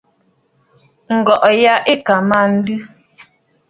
Ǹgɔ̀ʼɔ̀ ya ɨ̀ kà mə aa nlɨ.